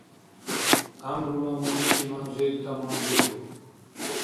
Гӏямрула муриси манзил таманбиуб